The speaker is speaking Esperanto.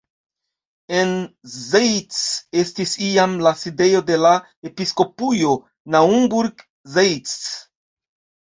En Zeitz estis iam la sidejo de la Episkopujo Naumburg-Zeitz.